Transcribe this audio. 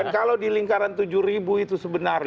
kalau di lingkaran tujuh ribu itu sebenarnya